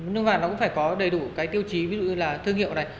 nhưng mà nó cũng phải có đầy đủ tiêu chí ví dụ như là thương hiệu này